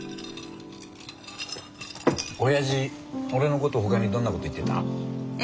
オヤジ俺のこと他にどんなこと言ってた？え？